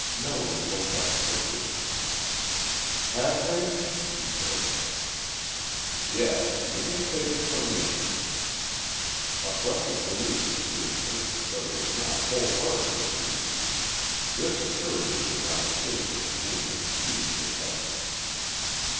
Melian looked up quickly. "Have they?" she said. "Yes. You may take it from me." A breath of relief escaped her, but it was not wholehearted relief. This assuredly did not escape her companion's keen perception.